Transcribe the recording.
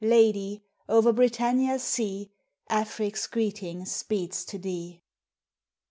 Lady! o'er Britannia's sea Afric's greeting speeds to thee!